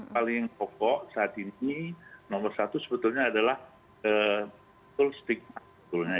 paling pokok saat ini nomor satu sebetulnya adalah stigma